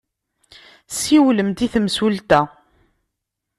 Siwlemt i temsulta.